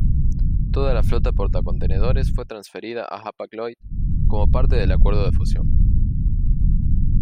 Toda la flota portacontenedores fue transferida a Hapag-Lloyd como parte del acuerdo de fusión.